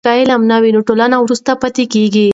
که علم نه وي نو ټولنه وروسته پاتې کېږي.